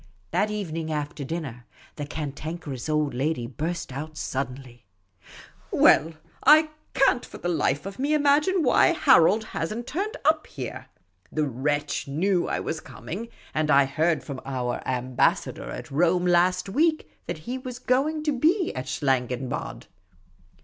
That evening, after dinner, the Cantankerous Old Lady burst out suddenly: " Well, I can't for the life of me imagine why Harold lias n't turned up here. The wretch knew I was coming ; and I heard from our Ambassador at Rome last week that he was going to be at Schlangenbad."